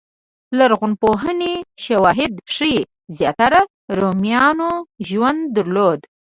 لرغونپوهنې شواهد ښيي زیاتره رومیانو ژوند درلود.